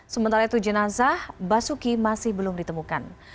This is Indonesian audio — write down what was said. sementara itu jenazah basuki masih belum ditemukan